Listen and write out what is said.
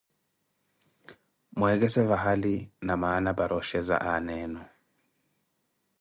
Mweekese vahali namaana para oxheza aana enu.